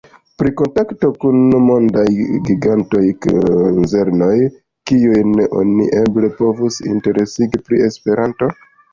Pri kontaktoj kun mondaj gigantaj konzernoj, kiujn oni eble povus interesigi pri Esperanto?